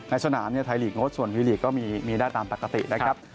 สนามเนี่ยไทยลีกงดส่วนวีลีกก็มีได้ตามปกตินะครับ